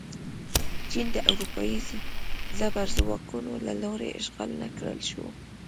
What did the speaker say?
چین د اروپايي زبرځواکونو له لوري اشغال نه کړل شو.